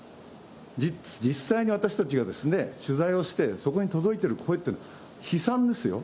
実際に私たちが取材して、そこに届いている声というのは、悲惨ですよ。